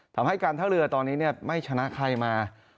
ทำให้การท่าเรือตอนนี้ไม่ชนะใครมา